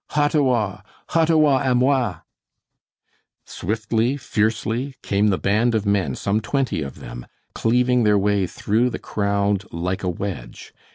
Hottawa! Hottawa a moi!" Swiftly, fiercely, came the band of men, some twenty of them, cleaving their way through the crowd like a wedge.